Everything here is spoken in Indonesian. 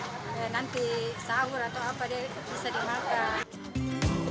disimpan di kulkas kalau umpamanya nanti sahur atau apa bisa dimakan